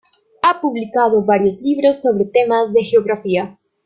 Ha publicado varios libros sobre temas de geografía.